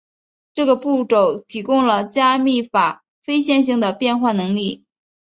这个步骤提供了加密法非线性的变换能力。